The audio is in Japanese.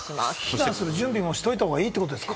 避難する準備もしておいた方がいいってことですか？